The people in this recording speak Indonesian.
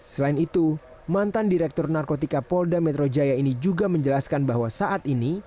selain itu mantan direktur narkotika polda metro jaya ini juga menjelaskan bahwa saat ini